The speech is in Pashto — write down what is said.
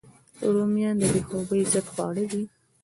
رومیان د بې خوبۍ ضد خواړه دي